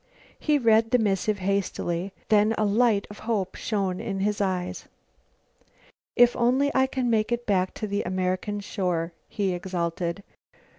He read the missive hastily, then a light of hope shone in his eye. "If only I can make it back to the American shore," he exulted.